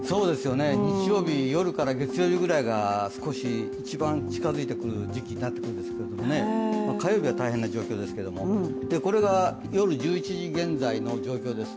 日曜日夜から月曜日ぐらいが一番近づいてくる時期だと思うんですが火曜日は大変な状況ですけども、これが夜１１時現在の状況です。